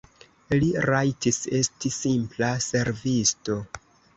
Li rajtis esti simpla servisto.